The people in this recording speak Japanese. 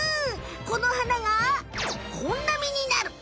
この花がこんな実になる！